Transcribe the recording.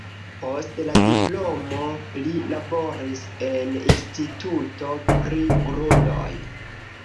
Post la diplomo li laboris en instituto pri grundoj.